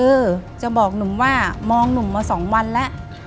เออจะบอกหนุ่มว่ามองหนุ่มมา๒วันแล้ว